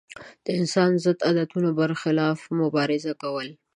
د انساني ضد عادتونو پر خلاف مبارزه کول.